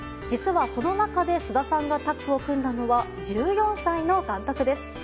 実は、その中で菅田さんがタッグを組んだのは１４歳の監督です。